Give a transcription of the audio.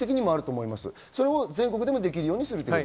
それを全国でもできるようにすると。